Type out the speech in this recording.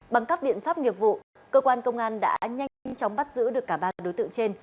bằng các biện pháp nghiệp vụ cơ quan công an đã nhanh chóng bắt giữ được cả ba đối tượng trên